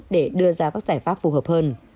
để đưa ra các giải pháp phù hợp hơn